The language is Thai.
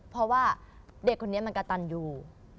เพราะว่าเด็กคนนี้มันกระตันอยู่